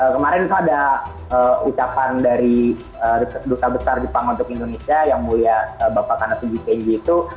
kemarin itu ada ucapan dari duta besar jepang untuk indonesia yang mulia bapak kanatu g k g itu